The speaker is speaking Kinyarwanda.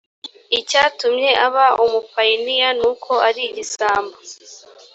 icyatumye aba umupayiniya nuko arigisambo